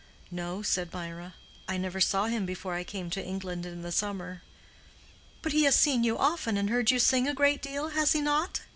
"No," said Mirah; "I never saw him before I came to England in the summer." "But he has seen you often and heard you sing a great deal, has he not?"